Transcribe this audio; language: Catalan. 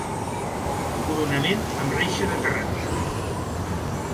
Coronament amb reixa de terrat.